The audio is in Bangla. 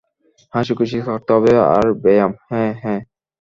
হাসিখুশী থাকতে হবে আর ব্যায়াম-- হ্যাঁ, হ্যাঁ।